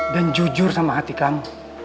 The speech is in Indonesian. dan jujur sama hati kamu